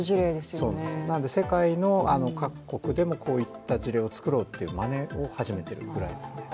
なので世界の各国でもこういった事例を作ろうというまねを始めているぐらいです。